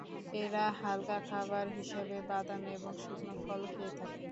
এরা হালকা খাবার হিসেবে বাদাম এবং শুকনো ফল খেয়ে থাকে।